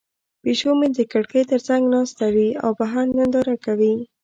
پیشو مې د کړکۍ تر څنګ ناسته وي او بهر ننداره کوي.